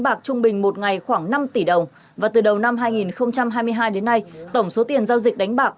bạc trung bình một ngày khoảng năm tỷ đồng và từ đầu năm hai nghìn hai mươi hai đến nay tổng số tiền giao dịch đánh bạc